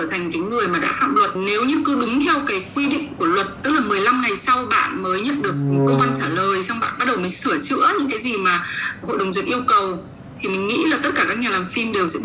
thì mình nghĩ là tất cả các nhà làm phim đều sẽ bị chậm thôi